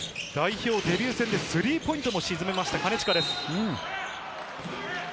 代表デビュー戦でスリーポイントを沈めました金近です。